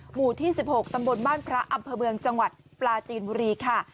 หมู่ที่๑๖ตำบลบ้านพระอำเภอเมืองจังหวัดปลาจีนบุรีค่ะ